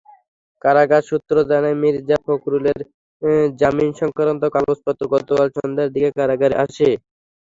কারাগার সূত্র জানায়, মির্জা ফখরুলের জামিনসংক্রান্ত কাগজপত্র গতকাল সন্ধ্যার দিকে কারাগারে আসে।